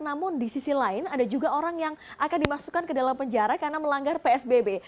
namun di sisi lain ada juga orang yang akan dimasukkan ke dalam penjara karena melanggar psbb